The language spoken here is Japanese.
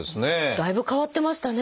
だいぶ変わってましたね。